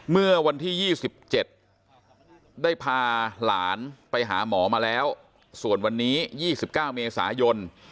เมื่อวันที่๒๗ได้พาหลานไปหาหมอมาแล้วส่วนวันนี้๒๙เมษายน